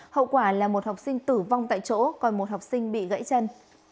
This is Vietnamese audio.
hậu quả là một học sinh tử vong tại chỗ còn một học sinh bị gãy chân